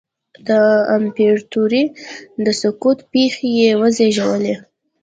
د امپراتورۍ د سقوط پېښې یې وزېږولې.